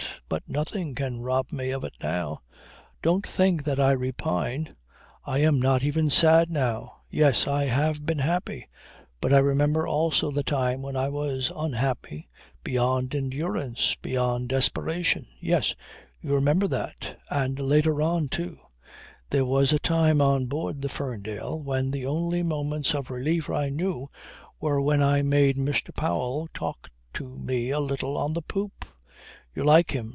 But nothing can rob me of it now ... Don't think that I repine. I am not even sad now. Yes, I have been happy. But I remember also the time when I was unhappy beyond endurance, beyond desperation. Yes. You remember that. And later on, too. There was a time on board the Ferndale when the only moments of relief I knew were when I made Mr. Powell talk to me a little on the poop. You like him?